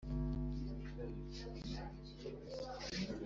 uzi ko bavuga ngo jye namwe ntitwumvikana,